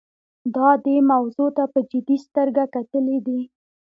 دا دې موضوع ته په جدي سترګه کتلي دي.